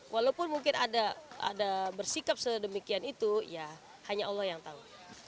walaupun mungkin ada bersikap sedemikian itu ya hanya allah yang tahu